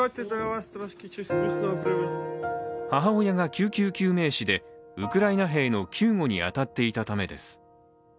母親が救急救命士でウクライナ兵の救護に当たっていたためです。